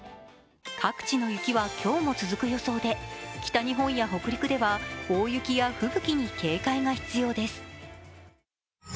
各地の雪は今日も続く予想で北日本や北陸では大雪や吹雪に警戒が必要です。